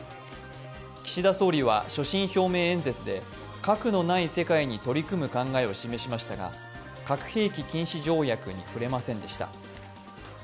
岸田総理は所信表明演説で、核のない世界に取り組む考えを示しましたが核兵器禁止条約に触れませんでした。